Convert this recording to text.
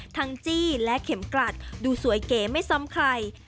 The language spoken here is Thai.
จี้และเข็มกลัดดูสวยเก๋ไม่ซ้ำใคร